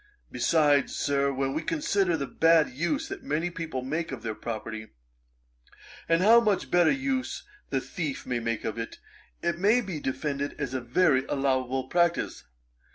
Besides, Sir, when we consider the bad use that many people make of their property, and how much better use the thief may make of it, it may be defended as a very allowable practice.